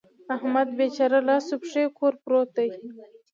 احمد بېچاره لاس و پښې کور پروت دی.